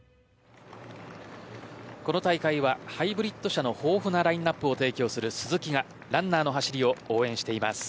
この大会はハイブリッド車の豊富なラインアップを提供するスズキがランナーの走りを応援しています。